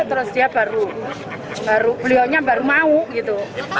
terus beliau baru mau gitu